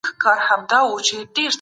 دا انځور پر دیوال باندي کښل سوی دی.